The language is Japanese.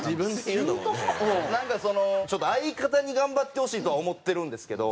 なんかそのちょっと相方に頑張ってほしいとは思ってるんですけど。